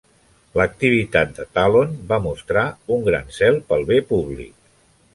L"activitat de Talon va mostrar un gran zel pel bé públic.